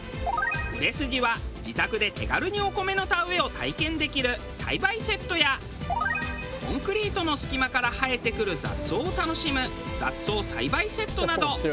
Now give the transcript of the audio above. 売れ筋は自宅で手軽にお米の田植えを体験できる栽培セットやコンクリートの隙間から生えてくる雑草を楽しむ雑草栽培セットなど。